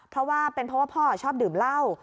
เพราะว่าเป็นเพราะว่าพ่อชอบดื่มเหล้า